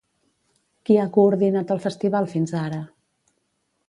Qui ha coordinat el festival fins ara?